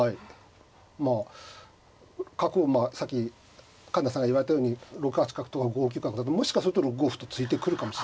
まあ角をさっき環那さんが言われたように６八角とか５九角だともしかすると６五歩と突いてくるかもしれない。